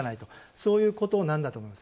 そういうことなんだと思います。